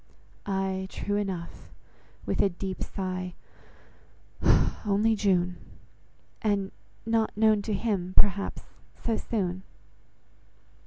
"Ay, true enough," (with a deep sigh) "only June." "And not known to him, perhaps, so soon."